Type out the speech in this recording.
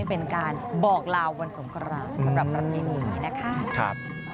เป็นการบอกลาวันสงครานสำหรับประเพณีนี้นะคะ